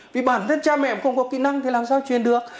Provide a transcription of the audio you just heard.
vì bản thân cha mẹ không có kỹ năng thì làm sao truyền được